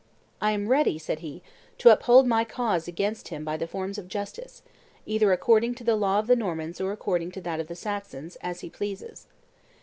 "I am ready," said he, "to uphold my cause against him by the forms of justice, either according to the law of the Normans or according to that of the Saxons, as he pleases.